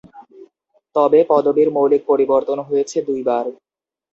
তবে পদবীর মৌলিক পরিবর্তন হয়েছে দুইবার।